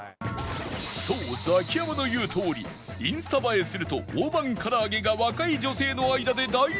そうザキヤマの言うとおりインスタ映えすると大判からあげが若い女性の間で大人気